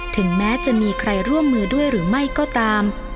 ถึงแม้จะมีใครร่วมมือด้วยหรือไม่ก็ตาม